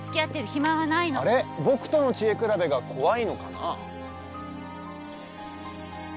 僕との知恵比べが怖いのかな